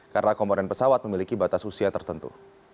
karena komponen pesawat memiliki batas usia tertentu